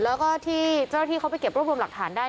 แล้วก็ที่เจ้าหน้าที่เขาไปเก็บรวบรวมหลักฐานได้